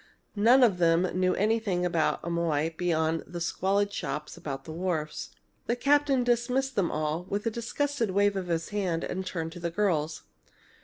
None of them knew anything about Amoy beyond the squalid shops about the wharves. The captain dismissed them all with a disgusted wave of his hand and turned to the girls.